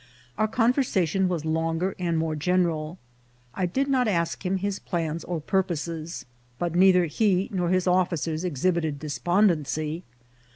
Our conversation was longer and more general. I did not ask him his plans or pur poses, but neither he nor his officers exhibited des pondency.